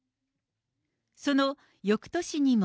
そのよくとしにも。